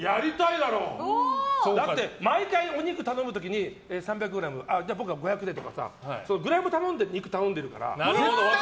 だって毎回お肉頼む時に３００ｇじゃあ、僕は５００でとかグラムで肉頼んでるから。